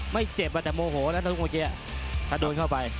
ไม่เจ็บแต่โมโหถ้าโดนเข้าไป